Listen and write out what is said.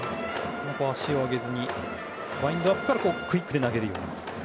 足を上げずにワインドアップからクイックで投げると。